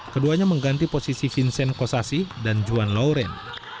keduanya mengganti posisi vincent kosasi dan juan lauren